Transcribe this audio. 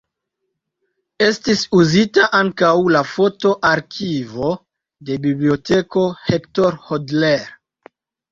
Estis uzita ankaŭ la foto-arkivo de Biblioteko Hector Hodler.